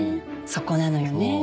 そこなのよねえ。